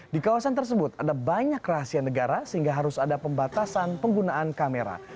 di kawasan tersebut ada banyak rahasia negara sehingga harus ada pembatasan penggunaan kamera